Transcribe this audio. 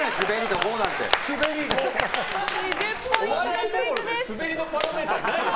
２０ポイントのクイズです！